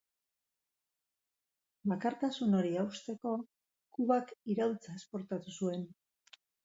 Bakartasun hori hausteko Kubak iraultza esportatu zuen.